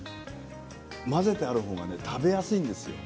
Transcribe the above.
混ぜてあるほうが食べやすいんですよ。